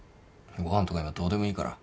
ご飯とか今どうでもいいから。